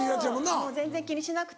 そう全然気にしなくて。